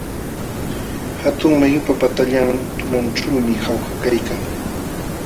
Hatun mayupa patallan tunanćhuumi Jauja kaykan.